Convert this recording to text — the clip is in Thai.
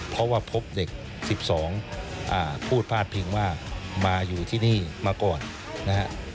เพราะว่าพบเด็ก๑๒พูดพาดพิงว่ามาอยู่ที่นี่มาก่อนนะฮะ